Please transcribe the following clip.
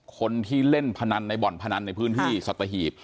คนที่เล่นพนันในบ่อนพนันในพื้นที่สัตหีบ